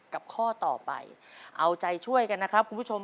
ข้อต่อไปเอาใจช่วยกันนะครับคุณผู้ชม